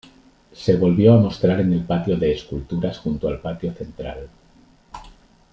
Se volvió a mostrar en el patio de esculturas junto al patio central.